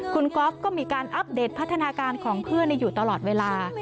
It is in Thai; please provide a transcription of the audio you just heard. คุณก๊อฟก็มีการอัปเดตพัฒนาการของเพื่อนอยู่ตลอดเวลา